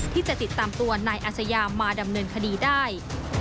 ที่จะติดตามตัวนายอาชญามาดำเนินคดีได้